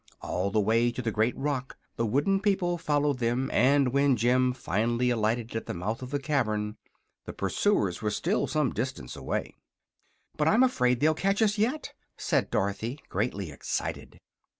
All the way to the great rock the wooden people followed them, and when Jim finally alighted at the mouth of the cavern the pursuers were still some distance away. "But, I'm afraid they'll catch us yet," said Dorothy, greatly excited.